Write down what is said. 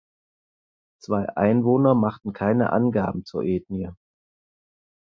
Zwei Einwohner machten keine Angaben zur Ethnie.